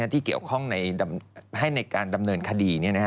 ที่เกี่ยวข้องให้ในการดำเนินคดี